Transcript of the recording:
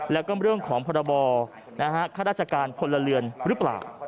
แล้วก็เรื่องของพรบข้าราชการพลเรือนหรือเปล่า